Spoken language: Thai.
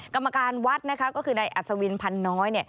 กรรมการวัดก็คือในอัศวินพันธ์น้อย